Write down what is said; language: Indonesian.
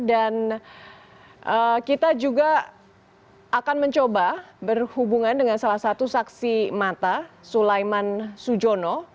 dan kita juga akan mencoba berhubungan dengan salah satu saksi mata sulaiman sujono